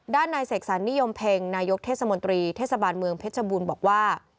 นายเสกสรรนิยมเพ็งนายกเทศมนตรีเทศบาลเมืองเพชรบูรณ์บอกว่า